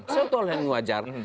setolah yang wajar